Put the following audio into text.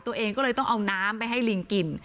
ตัวเองก็เลยต้องเอาน้ำไปให้ลิงกิน